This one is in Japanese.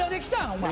お前。